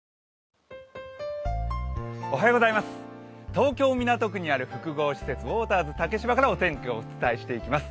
東京・港区にある複合施設、ウォーターズ竹芝からお天気をお伝えします。